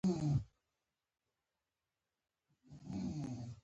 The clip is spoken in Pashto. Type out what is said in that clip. دنیا د آخرت په څنډه کې معرفي کېږي.